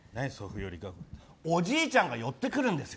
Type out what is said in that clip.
おじいちゃんが寄ってくるんですよ。